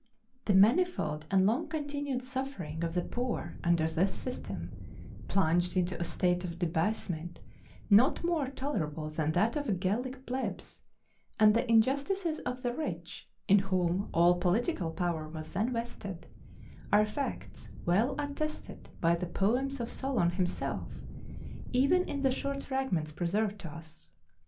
The manifold and long continued suffering of the poor under this system, plunged into a state of debasement not more tolerable than that of the Gallic plebs and the injustices of the rich, in whom all political power was then vested are facts well attested by the poems of Solon himself, even in the short fragments preserved to us.